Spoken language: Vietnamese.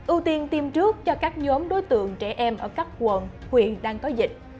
ưu tiên tiêm trước cho các nhóm đối tượng trẻ em ở các quận huyện đang có dịch